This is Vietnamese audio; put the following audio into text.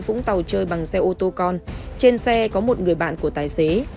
vũng tàu chơi bằng xe ô tô con trên xe có một người bạn của tài xế